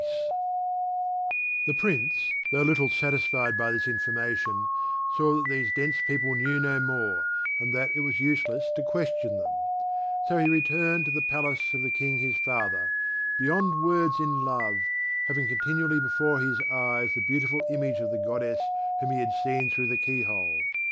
[Illustration: "CURIOSITY MADE HIM PUT HIS EYE TO THE KEYHOLE"] The Prince, though little satisfied by this information, saw that these dense people knew no more, and that it was useless to question them. So he returned to the palace of the King his father, beyond words in love, having continually before his eyes the beautiful image of the goddess whom he had seen through the keyhole.